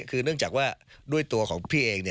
คือเนื่องจากว่าด้วยตัวของพี่เอง